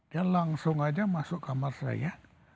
dia langsung aja masuk kamar saya